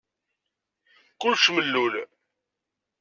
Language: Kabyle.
Kullec mellul.